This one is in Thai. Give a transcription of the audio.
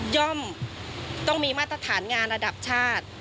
ต้องมีมาตรฐานงานระดับชาติ